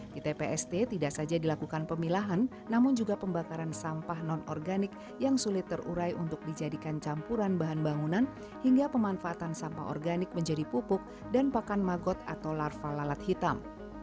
di tpst tidak saja dilakukan pemilahan namun juga pembakaran sampah non organik yang sulit terurai untuk dijadikan campuran bahan bangunan hingga pemanfaatan sampah organik menjadi pupuk dan pakan magot atau larva lalat hitam